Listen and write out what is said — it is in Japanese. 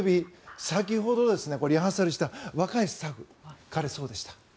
先ほどリハーサルした若いスタッフ、彼はそうでした。